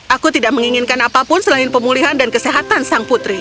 aku tidak menginginkan apapun selain pemulihan dan kesehatan sang putri